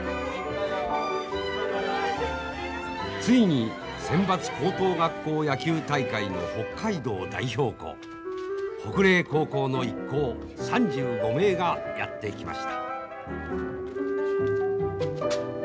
ついにセンバツ高等学校野球大会の北海道代表校北嶺高校の一行３５名がやって来ました。